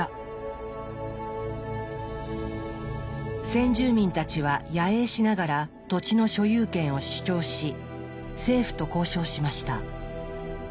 先住民たちは野営しながら土地の所有権を主張し政府と交渉しました。